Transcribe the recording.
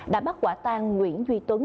đã bắt quả tan nguyễn duy tuấn